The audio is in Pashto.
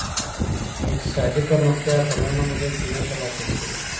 اقتصادي پرمختیا په لنډه موده کي نه ترلاسه کیږي.